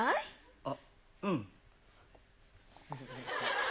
あっ、うん。